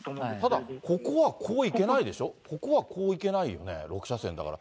ただ、ここはこう行けないでしょ、ここはこう行けないよね、６車線だから。